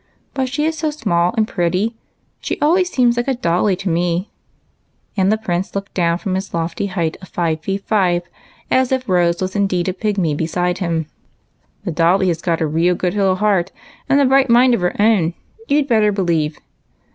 But she is so small and pretty, she always seems like a dolly to me," and the Prince looked down from his lofty height of five ''THE OTHER FELLOWS.'' 135 feet five as if Rose was indeed a pygmy beside him, " That dolly has got a real good little heart, and a bright mind of her own, you 'd better believe.